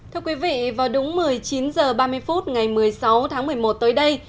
thưa quý vị vào đúng một mươi chín h ba mươi phút ngày một mươi sáu tháng một mươi một tới đây